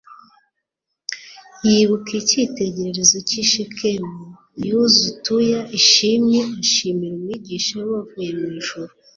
yibuka icyitegererezo cy'i Shekemu yuztua ishimwe ashimira Umwigisha we wavuye mu ijuru,